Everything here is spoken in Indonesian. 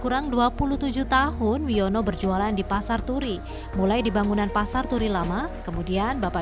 kurang dua puluh tujuh tahun wiono berjualan di pasar turi mulai dibangunan pasar turi lama kemudian bapak